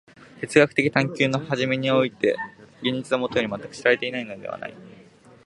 哲学的探求の初めにおいて現実はもとより全く知られていないのではない。